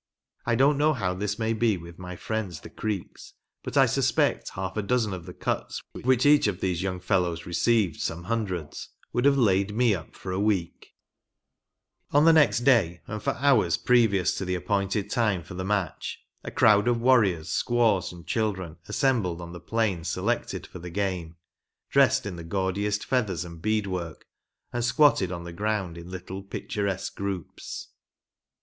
I don't know how this may be with my friends the Creeks ; but I suspect half a dozen of the cuts of which each of these young fellows received so' ae hun dreds, would have laid me up for a week !" On the next day and for hours previous to the ap pointed time for the match, a crowd of warriors, squaws and children assembled on the plain selected for the game, dressed in the gaudiest feathers and bead work, and squatted on the ground in little pictures(|ue groups.